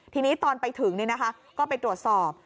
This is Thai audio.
ทีนี้ตอนไปถึงนี่นะคะก็ไปตรวจสอบ